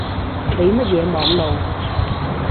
你乜嘢網路